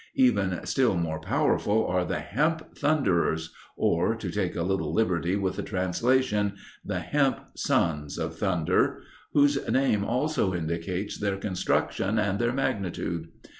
Even still more powerful are the "hemp thunderers," or, to take a little liberty with the translation, the "hemp sons of thunder," whose name also indicates their construction and their magnitude.